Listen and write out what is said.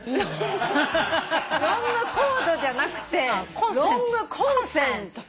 ロングコードじゃなくてロングコンセント？